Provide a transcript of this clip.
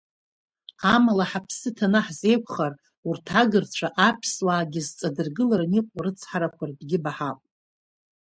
Амала, ҳаԥсы ҭаны ҳзеиқәхар, урҭ агырцәа, аԥсуаагьы зҵадыргылараны иҟоу арыцҳарақәа ртәгьы баҳап.